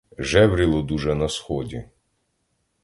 Жевріло дуже на сході.